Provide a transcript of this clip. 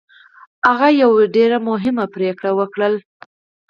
هغه یوه ډېره مهمه پرېکړه وکړه